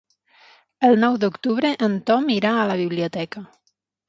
El nou d'octubre en Tom irà a la biblioteca.